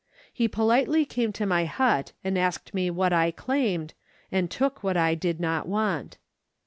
He politely came to my hut and asked me what I claimed, and took what I did not want.